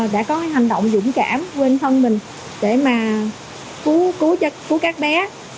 đã có hành động dũng cảm quên thân mình để mà cứu các bé